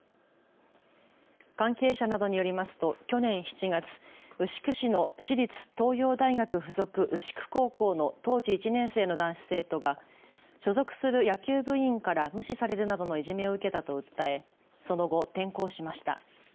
関係者などによりますと去年７月、牛久市の私立東洋大学附属牛久高校の当時１年生の男子生徒が所属する野球部員から無視されるなどのいじめを受けたと訴えその後、転校しました。